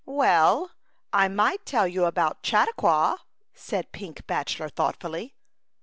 ii " Well, I might tell you about Chautauqua," said pink bachelor thoughtfully.